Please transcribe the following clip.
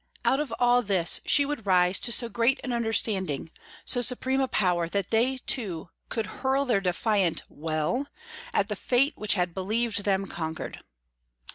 Out of all this she would rise to so great an understanding, so supreme a power that they too could hurl their defiant "Well?" at the fate which had believed them conquered.